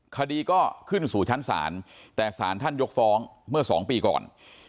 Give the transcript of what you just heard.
คดีก็ขึ้นสู่ชั้นศาลแต่สารท่านยกฟ้องเมื่อ๒ปีก่อน